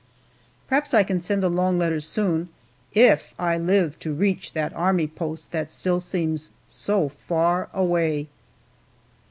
Perhaps I can send a long letter soon if I live to reach that army post that still seems so far away.